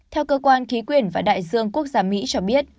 theo cơ quan khí quyển và đại dương quốc gia mỹ cho biết